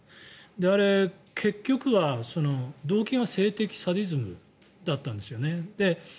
あれ、結局は動機が性的サディズムだったんですよね。